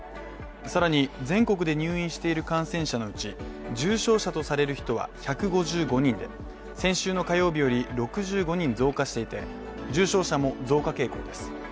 更に、全国で入院している感染者のうち重症者とされる人は１５５人で先週の火曜日より６５人増加していて重症者も増加傾向です。